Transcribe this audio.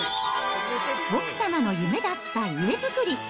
奥様の夢だった家作り！